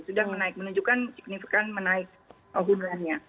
sudah menaik menunjukkan signifikan menaik hudrannya